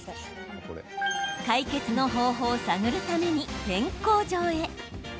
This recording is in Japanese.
解決の方法を探るためにペン工場へ。